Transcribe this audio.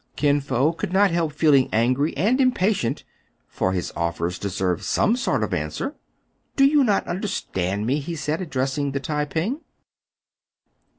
Kin Fo could not help feeling angry and impa tient ; for his offers deserved some sort of answer. " Do you not understand me .^" he said, address ing the Tai ping.